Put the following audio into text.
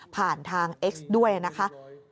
ผ่านทางเอ็กซ์ด้วยนะคะ